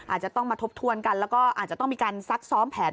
อาจจะต้องมาทบทวนกันแล้วก็อาจจะต้องมีการซักซ้อมแผน